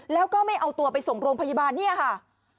แล้วก็ไม่เอาตัวไปส่งโรงพยาบาลเนี่ยค่ะ